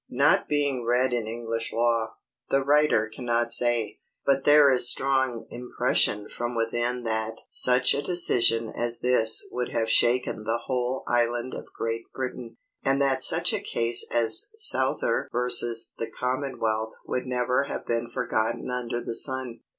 Not being read in English law, the writer cannot say; but there is strong impression from within that such a decision as this would have shaken the whole island of Great Britain; and that such a case as Souther v. The Commonwealth would never have been forgotten under the sun.